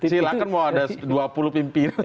silahkan mau ada dua puluh pimpinan